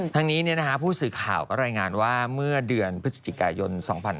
ทางนี้ผู้สื่อข่าวก็รายงานว่าเมื่อเดือนพฤศจิกายน๒๕๕๙